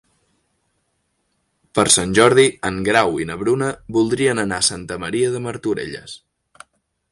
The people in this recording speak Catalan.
Per Sant Jordi en Grau i na Bruna voldrien anar a Santa Maria de Martorelles.